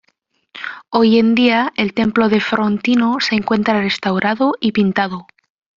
Hoy en día, el templo de Frontino se encuentra restaurado y pintado.